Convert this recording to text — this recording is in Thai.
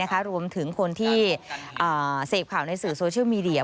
รวมถึงคนที่เสพข่าวในสื่อโซเชียลมีเดีย